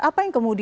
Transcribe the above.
apa yang kembali